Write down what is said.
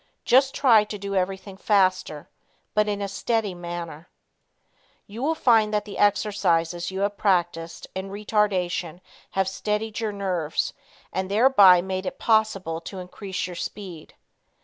Just try to do everything faster, but in a steady manner. You will find that the exercises you have practiced in retardation have steadied your nerves, and thereby made it possible to increase your speed.